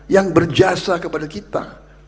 yang berjasa kepada kita